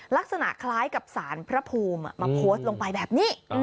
ลักษณะคล้ายกับสารพระภูมิมาโพสต์ลงไปแบบนี้